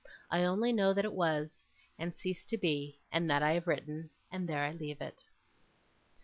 I only know that it was, and ceased to be; and that I have written, and there I leave it.